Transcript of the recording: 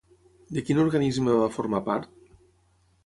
De quin organisme va formar part?